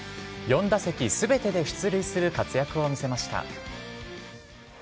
４打席すべてで出塁する活躍を見せました。